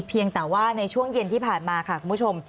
เพียงแต่ว่าในช่วงเย็นที่ผ่านมาค่ะคุณผู้ชม